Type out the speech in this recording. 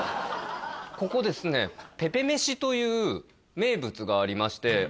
ここですねペペ飯という名物がありましてへえ